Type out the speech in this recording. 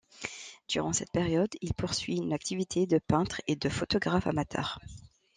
Durant cette période, il poursuit une activité de peintre et de photographe amateur.